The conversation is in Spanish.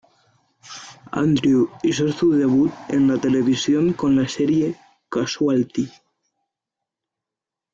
Andrew hizo su debut en la televisión con la serie Casualty.